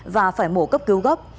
và phải mổ cấp cứu góp